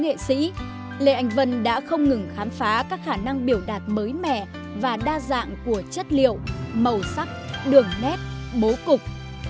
nghệ sĩ lê anh vân đã không ngừng khám phá các khả năng biểu đạt mới mẻ và đa dạng của chất liệu màu sắc đường nét bố cục